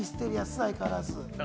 相変わらず。